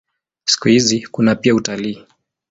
Siku hizi kuna pia utalii.